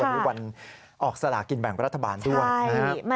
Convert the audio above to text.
วันนี้วันออกสลากินแบ่งกับรัฐบาลด้วย